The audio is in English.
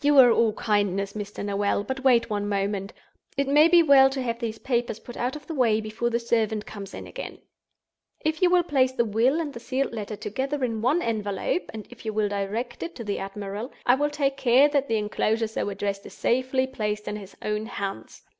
"You are all kindness, Mr. Noel; but wait one moment. It may be well to have these papers put out of the way before the servant comes in again. If you will place the Will and the Sealed Letter together in one envelope—and if you will direct it to the admiral—I will take care that the inclosure so addressed is safely placed in his own hands.